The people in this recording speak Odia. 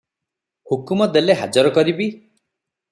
ହୁକୁମ ଦେଲେ ହାଜର କରିବି ।"